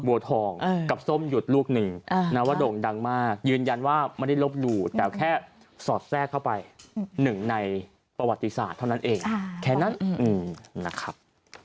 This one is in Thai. บัวทองกับส้มหยุดลูกหนึ่งนะว่าโด่งดังมากยืนยันว่าไม่ได้ลบหลู่แต่แค่สอดแทรกเข้าไปหนึ่งในประวัติศาสตร์เท่านั้นเองแค่นั้นนะครับ